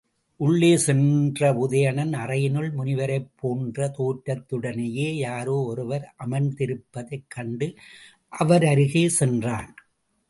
உள்ளே சென்ற உதயணன் அறையினுள் முனிவரைப் போன்ற தோற்றத்துடனேயே யாரோ ஒருவர் அமர்ந்திருப்பதைக் கண்டு அவர் அருகே சென்றான்.